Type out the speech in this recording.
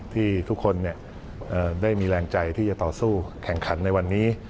ที่ทุกคนได้มีแรงใจที่จะต่อสู้แข่งขันในวันนี้